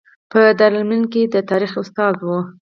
په دارالمعلمین کې د تاریخ استاد و.